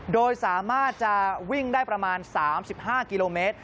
โดยสามารถจะวิ่งได้ประมาณ๓๕กิโลเมตร